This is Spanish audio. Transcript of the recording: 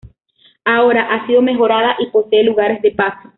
Ahora ha sido mejorada y posee lugares de paso.